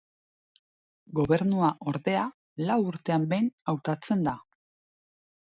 Gobernua, ordea, lau urtean behin hautatzen da.